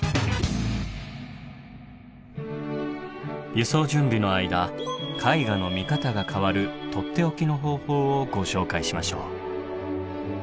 輸送準備の間絵画の見方が変わるとっておきの方法をご紹介しましょう。